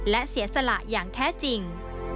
และเสียสละอย่างแท้จริง